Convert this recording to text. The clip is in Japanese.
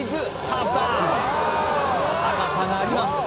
ターン高さがあります